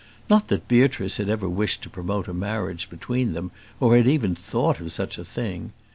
Not that Beatrice had ever wished to promote a marriage between them, or had even thought of such a thing.